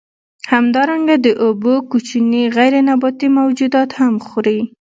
همدارنګه د اوبو کوچني غیر نباتي موجودات هم خوري.